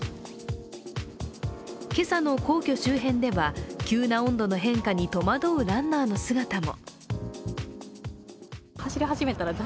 今朝の皇居周辺では、急な温度の変化に戸惑うランナーの姿も。